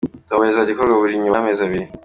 Tombola izajya ikorwa buri nyuma y’amezi abiri.